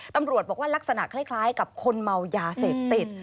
ตำรวจบอกว่าลักษณะคล้ายกับคนเมายาเสพติด